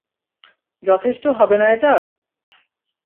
যথেষ্ট হবে না এটা!